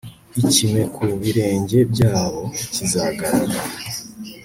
ikime ku birenge byabo kizagaragara